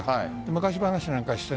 昔話なんかして。